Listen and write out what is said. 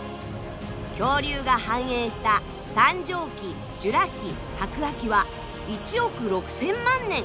恐竜が繁栄した三畳紀ジュラ紀白亜紀は１億６，０００万年。